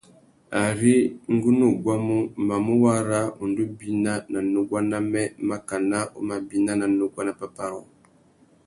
Ari ngu nú guamú, mamú wara undú bina nà nuguá namê makana u má bina ná nuguá nà pápá rôō .